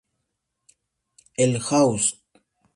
El Ausf.